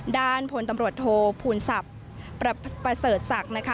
ด้านพลตำรวจโทภูลศักดิ์ประเสริฐศักดิ์นะคะ